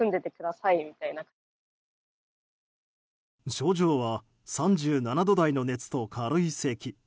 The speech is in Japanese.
症状は３７度台の熱と軽いせき。